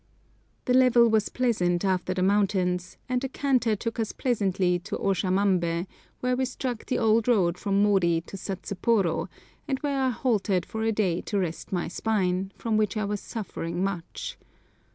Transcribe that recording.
The level was pleasant after the mountains, and a canter took us pleasantly to Oshamambé, where we struck the old road from Mori to Satsuporo, and where I halted for a day to rest my spine, from which I was suffering much.